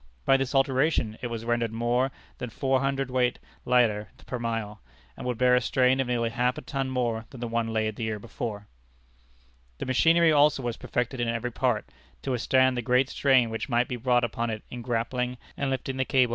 By this alteration it was rendered more than four hundred weight lighter per mile, and would bear a strain of nearly half a ton more than the one laid the year before. The machinery also was perfected in every part, to withstand the great strain which might be brought upon it in grappling and lifting the cable from the great depths of the Atlantic.